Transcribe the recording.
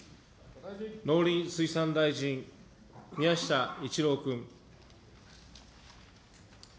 農林水産大臣、宮下一郎君。